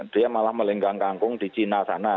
dia malah melenggang kangkung di cina sana